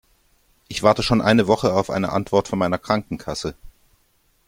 Ich warte schon eine Woche auf eine Antwort von meiner Krankenkasse.